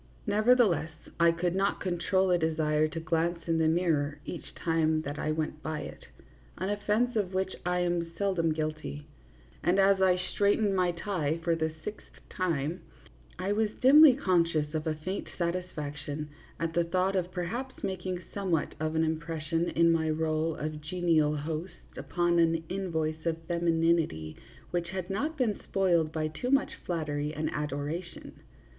Nevertheless, I could not control a desire to glance in the mirror each time that I went by it an offence of which I am sel dom guilty and as I straightened my tie for the sixth time I was dimly conscious of a faint satisfac tion at the thought of perhaps making somewhat of an impression in my role of genial host upon an in voice of femininity which had not been spoiled by too much flattery and adoration.